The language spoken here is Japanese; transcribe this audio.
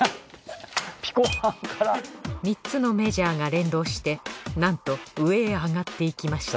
３つのメジャーが連動してなんと上へ上がっていきました